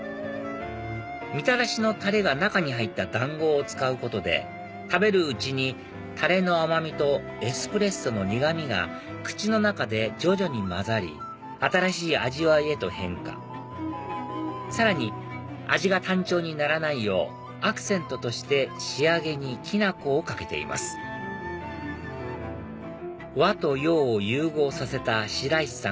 みたらしのタレが中に入った団子を使うことで食べるうちにタレの甘味とエスプレッソの苦味が口の中で徐々に混ざり新しい味わいへと変化さらに味が単調にならないようアクセントとして仕上げにきな粉をかけています和と洋を融合させた白石さん